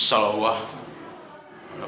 assalamualaikum warahmatullahi wabarakatuh